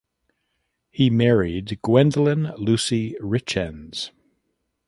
He married Gwendoline Lucy Richens.